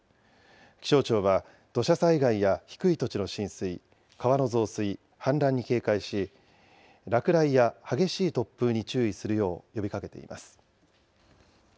気象庁は、土砂災害や低い土地の浸水、川の増水、氾濫に警戒し、落雷や激しい突風に注意するよう呼びかけています。